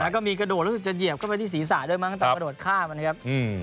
แล้วก็มีกระโดดรู้สึกจะเหยียบเข้าไปที่ศีรษะด้วยมั้งตอนกระโดดข้ามนะครับ